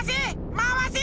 まわせ！